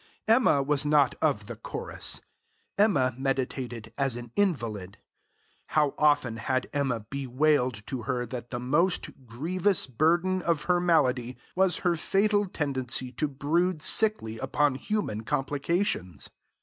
Emma was not of the chorus. Emma meditated as an invalid. How often had Emma bewailed to her that the most, grievous burden of her malady was her fatal tendency to brood sickly upon human complications!